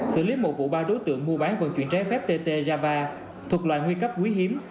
xử lý một vụ ba đối tượng mua bán vận chuyển trái phép tt java thuộc loại nguy cấp quý hiếm